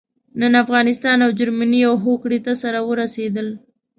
نن افغانستان او جرمني يوې هوکړې ته سره ورسېدل.